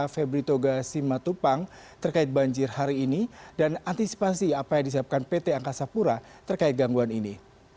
febri toga simatupang terkait banjir hari ini dan antisipasi apa yang disiapkan pt angkasa pura terkait gangguan ini